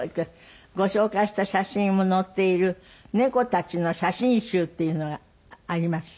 ご紹介した写真も載っている猫たちの写真集っていうのがあります。